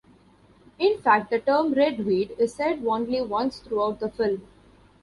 In fact, the term "red weed" is said only once throughout the film.